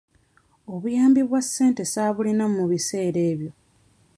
Obuyambi bwa ssente ssaabulina mu biseera ebyo.